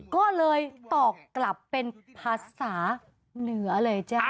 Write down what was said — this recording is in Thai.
ก็เลยตอบกลับเป็นภาษาเหนือเลยจ้า